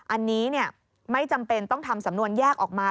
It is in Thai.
อันนี้ไม่จำเป็นต้องทำสำนวนแยกออกมา